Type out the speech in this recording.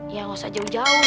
ya nggak usah jauh jauh